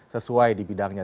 sesuai di bidangnya